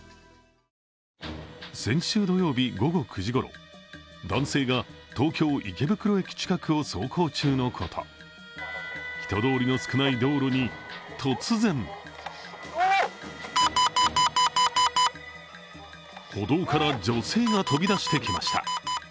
先週土曜日午後９時ごろ、男性が東京・池袋近くを走行中のこと、人通りの少ない道路に突然歩道から女性が飛び出してきました。